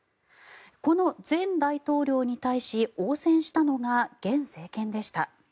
この前大統領に対し応戦したのが現政権でした。